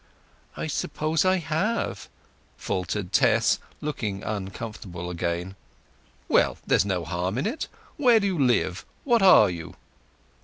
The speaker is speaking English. "I suppose I have," faltered Tess, looking uncomfortable again. "Well—there's no harm in it. Where do you live? What are you?"